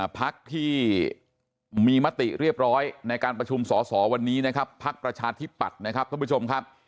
พักที่มีมติเรียบร้อยในการประชุมสอสอวันนี้นะครับภักดิ์ประชาธิปัตย์นะครับท่านผู้ชมครับ